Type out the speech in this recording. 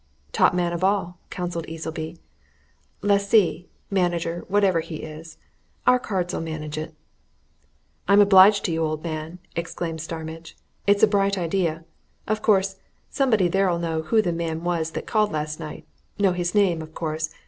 "Top man of all," counselled Easleby. "Lessee, manager, whatever he is. Our cards'll manage it." "I'm obliged to you, old man!" exclaimed Starmidge. "It's a bright idea! Of course, somebody there'll know who the man was that called last night know his name, of course.